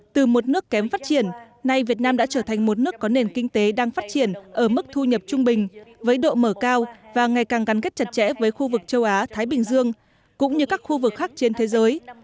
từ một nước kém phát triển nay việt nam đã trở thành một nước có nền kinh tế đang phát triển ở mức thu nhập trung bình với độ mở cao và ngày càng gắn kết chặt chẽ với khu vực châu á thái bình dương cũng như các khu vực khác trên thế giới